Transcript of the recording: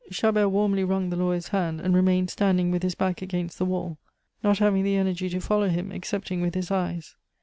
Chabert warmly wrung the lawyer's hand, and remained standing with his back against the wall, not having the energy to follow him excepting with his eyes.